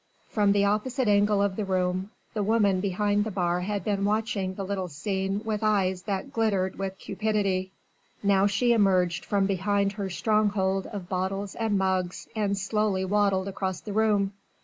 From the opposite angle of the room, the woman behind the bar had been watching the little scene with eyes that glistened with cupidity. Now she emerged from behind her stronghold of bottles and mugs and slowly waddled across the room.